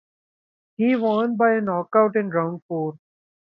He won by a knockout in round four.